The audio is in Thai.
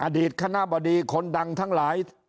อดีตคณะบดีคนดังทั้งหลาย